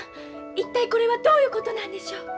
一体これはどういうことなんでしょう？